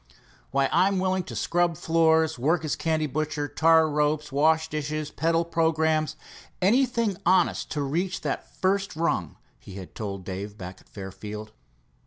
"Why, I'm willing to scrub floors, work as candy butcher, tar ropes, wash dishes, peddle programmes, anything honest to reach that first rung," he had told Dave back at Fairfield.